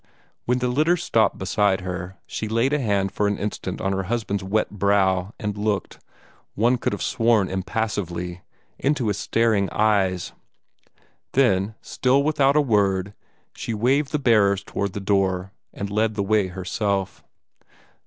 When the litter stopped beside her, she laid a hand for an instant on her husband's wet brow, and looked one could have sworn impassively into his staring eyes. Then, still without a word, she waved the bearers toward the door, and led the way herself.